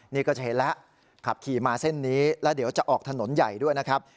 นี่ก็จะเห็นแล้วขับขี่มาเส้นนี้แล้วเดี๋ยวจะออกถนนใหญ่ด้วยนะครับ